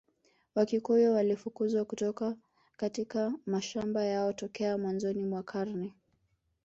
Wakikuyu walifukuzwa kutoka katika mashamba yao tokea mwanzoni mwa karne